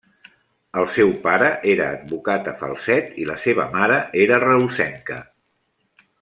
El seu pare era advocat a Falset i la seva mare era reusenca.